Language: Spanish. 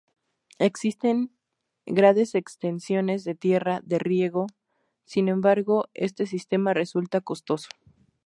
Existen grades extensiones de tierra de riego, sin embargo este sistema resulta costoso.